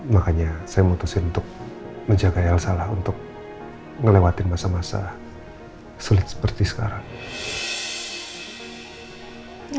makanya saya memutuskan untuk menjaga el salah untuk melewati masa masa sulit seperti sekarang